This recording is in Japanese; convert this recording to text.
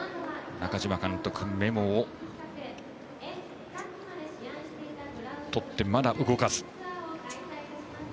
中嶋監督メモをとってまだ動かず。